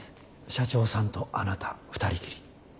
社長さんとあなた２人きり。